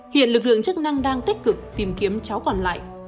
hiện lực lượng chức năng đang tích cực tìm kiếm cháu còn lại